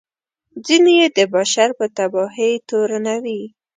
ځینې یې د بشر په تباهي تورنوي.